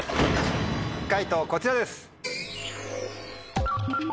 解答こちらです。